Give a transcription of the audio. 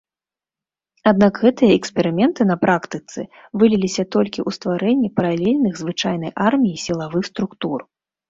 Аднак гэтыя эксперыменты на практыцы выліліся толькі ў стварэнне паралельных звычайнай арміі сілавых структур.